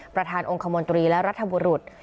ประธานองค์คมนตรีและรัฐบุรุษ